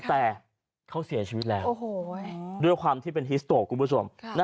แต่เขาเสียชีวิตแล้วด้วยความที่เป็นฮิสโตร์